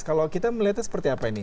kalau kita melihatnya seperti apa ini